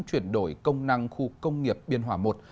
chuyển đổi công năng khu công nghiệp biên hòa i